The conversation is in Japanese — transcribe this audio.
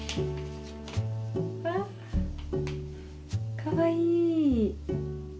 かわいい！